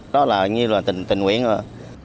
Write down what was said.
đó là như là tình nguyện rồi